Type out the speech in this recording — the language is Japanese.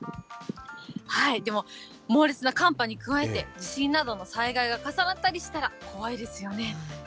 でも、猛烈な寒波に加えて、地震などの災害が重なったりしたら、怖いですよね。